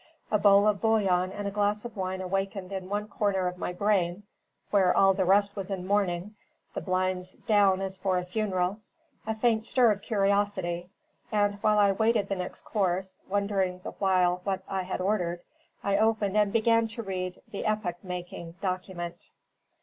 A bowl of bouillon and a glass of wine awakened in one corner of my brain (where all the rest was in mourning, the blinds down as for a funeral) a faint stir of curiosity; and while I waited the next course, wondering the while what I had ordered, I opened and began to read the epoch making document.